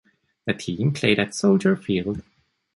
The team played at Soldier Field.